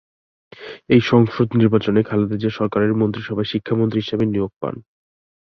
ওই সংসদ নির্বাচনে খালেদা জিয়া সরকারের মন্ত্রীসভায় শিক্ষামন্ত্রী হিসেবে নিয়োগ পান।